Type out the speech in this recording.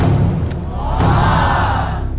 กราบ